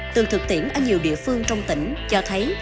từ thực tiễn ở nhiều địa phương trong tỉnh cho thấy